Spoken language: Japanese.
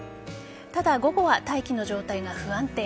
ただ、午後は大気の状態が不安定。